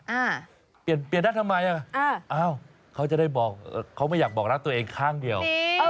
อ่าเปลี่ยนเปลี่ยนได้ทำไมอ่ะอ้าวเขาจะได้บอกเขาไม่อยากบอกรักตัวเองข้างเดียว